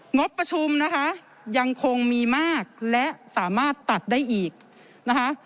งบประชุมนะคะยังคงมีมากและสามารถตัดได้อีกนะคะ